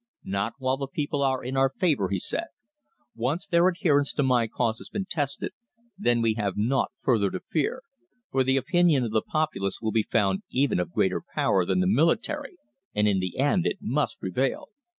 "Not while the people are in our favour," he said. "Once their adherence to my cause has been tested then we have nought further to fear, for the opinion of the populace will be found even of greater power than the military, and in the end it must prevail."